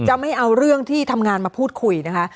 ไม่เอาเรื่องที่ทำงานมาพูดคุยนะคะ